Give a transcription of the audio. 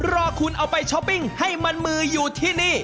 รอคุณเอาไปช้อปปิ้งให้มันมืออยู่ที่นี่